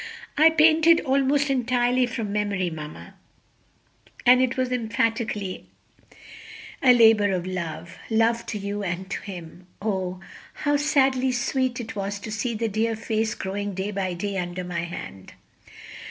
"I painted almost entirely from memory, mamma, and it was emphatically a labor of love love to you and to him. Oh, how sadly sweet it was to see the dear face growing day by day under my hand!"